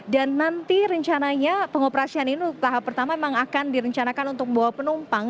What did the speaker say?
dan nanti rencananya pengoperasian ini tahap pertama memang akan direncanakan untuk membawa penumpang